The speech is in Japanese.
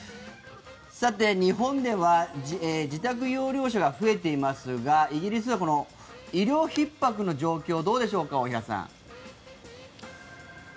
日本では自宅療養者が増えていますがイギリスでは医療ひっ迫の状況どうでしょうか、大平さん。